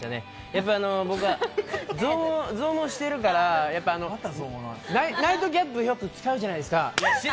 やっぱり僕は増毛しているから、ナイトキャップよく使うじゃないですか。